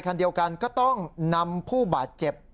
คันเดียวกันก็ต้องนำผู้บาดเจ็บ